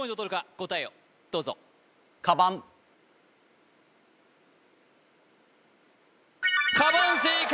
答えをどうぞかばん正解